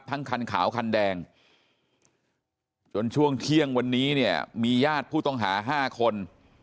คันขาวคันแดงจนช่วงเที่ยงวันนี้เนี่ยมีญาติผู้ต้องหา๕คน